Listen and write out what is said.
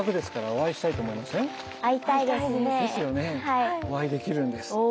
お会いできるんですって。